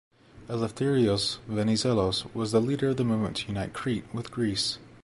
Eleftherios Venizelos was the leader of the movement to unite Crete with Greece.